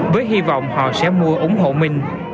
với hy vọng họ sẽ mua ủng hộ mình